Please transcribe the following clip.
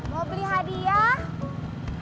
mau beli hadiah